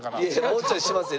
もうちょいしますよ。